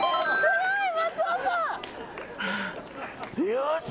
よし！